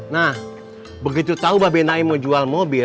nah begitu tahu babenai mau jual mobil